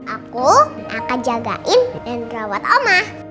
aku akan jagain dan rawat om